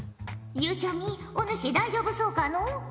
ゆうちゃみお主大丈夫そうかのう？